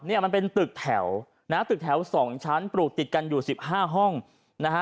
เนี่ยมันเป็นตึกแถวนะฮะตึกแถวสองชั้นปลูกติดกันอยู่สิบห้าห้องนะฮะ